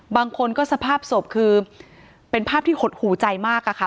บางคนก็สภาพศพคือเป็นภาพที่หดหูใจมากอะค่ะ